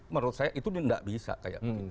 menurut saya itu nggak bisa kayak begitu